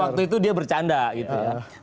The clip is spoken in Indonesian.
waktu itu dia bercanda gitu ya